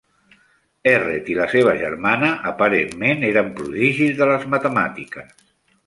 Erret i la seva germana aparentment eren prodigis de les matemàtiques.